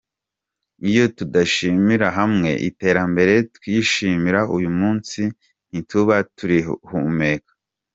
Iyo tudashyira hamwe, iterambere twishimira uyu munsi ntituba turihumeka.